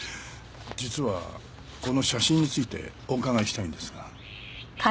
実はこの写真についてお伺いしたいんですが。